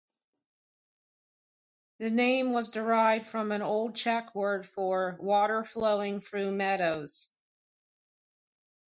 The name was derived from an old Czech word for "water flowing through meadows".